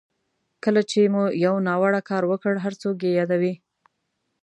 کله چې مو یو ناوړه کار وکړ هر څوک یې یادوي.